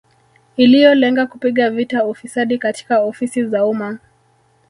Iliyolenga kupiga vita ufisadi katika ofisi za umma